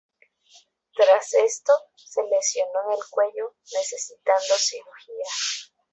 Tras esto, se lesionó en el cuello, necesitando cirugía.